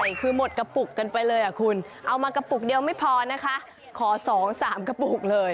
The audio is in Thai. ใช่คือหมดกระปุกกันไปเลยอ่ะคุณเอามากระปุกเดียวไม่พอนะคะขอสองสามกระปุกเลย